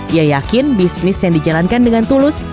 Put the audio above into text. ia yakin bisnis yang dijalankan dengan tulus